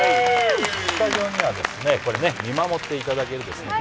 スタジオにはですね見守っていただけるですね